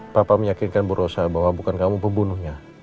papa meyakinkan bu rosa bahwa bukan kamu pembunuhnya